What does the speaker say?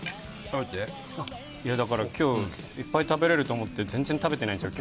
食べていやだから今日いっぱい食べられると思って全然食べてないんですよ